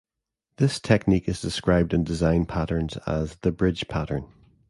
This technique is described in Design Patterns as the Bridge pattern.